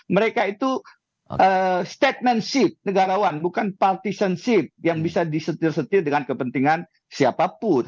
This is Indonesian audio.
mereka itu statementship negarawan bukan partisanship yang bisa disetir setir dengan kepentingan siapapun